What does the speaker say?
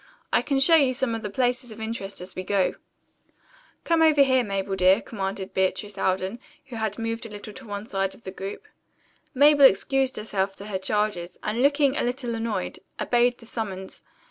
I can show you some of the places of interest as we go." "Come over here, Mabel, dear," commanded Beatrice Alden, who had moved a little to one side of the group. Mabel excused herself to her charges, and looking a little annoyed, obeyed the summons.